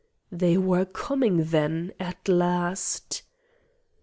They were coming, then, at last!